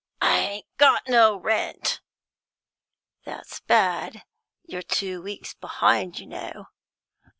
"I ain't got no rent." "That's bad. You're two weeks behind, you know."